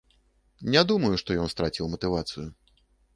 Не думаю, што ён страціў матывацыю.